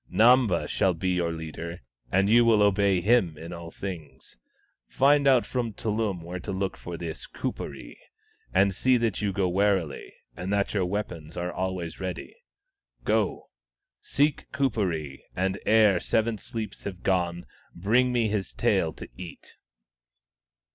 " Namba shall be your leader, and you will obey him in all things. Find out from Tullum where to look for this Kuperee, and see that you go warily, and that your weapons are always ready. Go ; seek Kuperee, and ere seven sleeps have gone, bring me his tail to eat